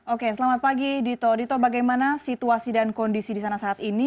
oke selamat pagi dito dito bagaimana situasi dan kondisi di sana saat ini